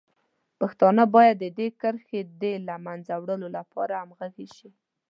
پښتانه باید د دې کرښې د له منځه وړلو لپاره همغږي شي.